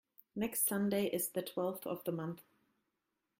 Next Sunday is the twelfth of the month.